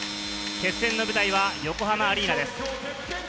決戦の舞台は横浜アリーナです。